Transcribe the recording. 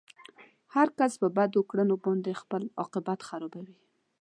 هر کس په بدو کړنو باندې خپل عاقبت خرابوي.